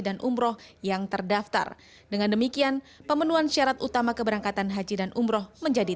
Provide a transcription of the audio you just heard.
dan umroh yang terdaftar dengan demikian pemenuhan syarat utama keberangkatan haji dan umroh menjadi